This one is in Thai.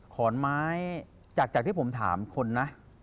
ขอนไม้จากที่ผมถามคนนะ